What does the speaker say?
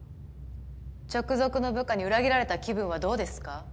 直属の部下に裏切られた気分はどうですか？